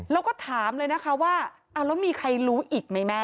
แล้วก็ถามเลยนะคะว่าเอาแล้วมีใครรู้อีกไหมแม่